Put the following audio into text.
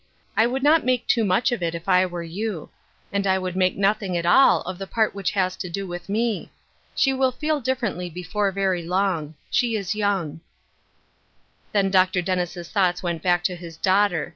I would not make too much of it, if I were you ; and I would make nothing at all of the part which has to do with me. She will feel differ ently before very long. She is young." Then Dr. Dennis' thoughts went back to hia daughter.